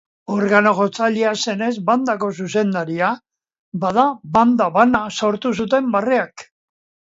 Organo-jotzailea zenez bandako zuzendaria, bada, banda bana sortu zuten barreak.